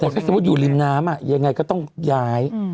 แต่ถ้าสมมุติอยู่ริมน้ำยังไงก็ต้องย้าย